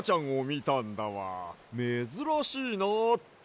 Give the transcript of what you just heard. めずらしいなって。